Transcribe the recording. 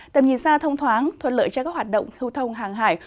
tầm nhìn xa thông thoáng thuận lợi cho các hoạt động lưu thông hàng hải